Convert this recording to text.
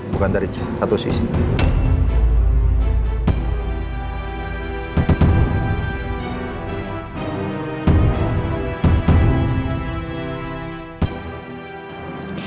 bukan dari satu sisi